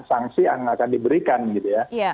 sanksi yang akan diberikan gitu ya